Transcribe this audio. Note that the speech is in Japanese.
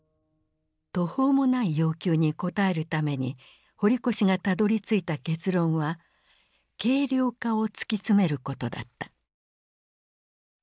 途方もない要求に応えるために堀越がたどりついた結論は軽量化を突き詰めることだった。